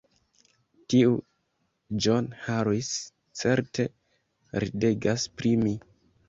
Tiu John Harris, certe, ridegas pri mi!